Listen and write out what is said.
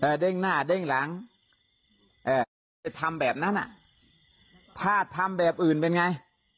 เด้งหน้าเด้งหลังเอ่อไปทำแบบนั้นอ่ะถ้าทำแบบอื่นเป็นไง